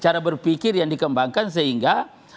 cara berpikir yang dikembangkan sehingga